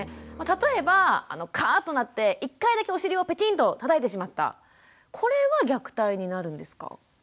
例えばカーッとなって１回だけお尻をペチンとたたいてしまったこれは虐待になるんですか？